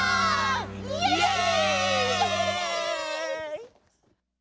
「イエーイ！」